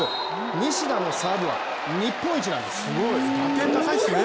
西田のサーブは日本一なんです。